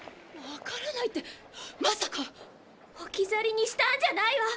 「わからない」ってまさか⁉置き去りにしたんじゃないわ！